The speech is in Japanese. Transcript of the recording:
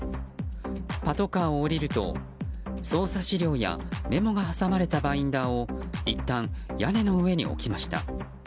パトカーを降りると捜査資料やメモが挟まれたバインダーをいったん屋根の上に置きました。